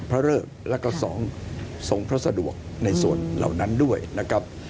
เริกแล้วก็สองทรงพระสะดวกในส่วนเหล่านั้นด้วยนะครับ